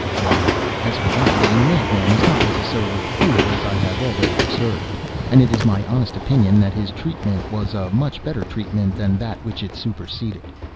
"Why, as for that, a madman is not necessarily a fool, as I have already observed; and it is my honest opinion that his treatment was a much better treatment than that which it superseded.